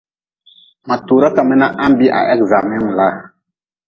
Ma tuura ka mi na ha-n bii ha examengu laa.